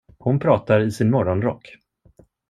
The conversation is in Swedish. Hon pratar i sin morgonrock.